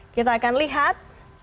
kita akan lihat